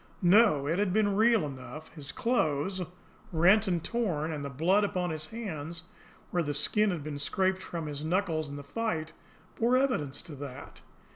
No, it had been real enough; his clothes, rent and torn, and the blood upon his hands, where the skin had been scraped from his knuckles in the fight, bore evidence to that.